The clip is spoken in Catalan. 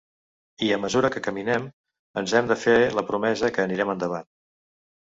I a mesura que caminem, ens hem de fer la promesa que anirem endavant.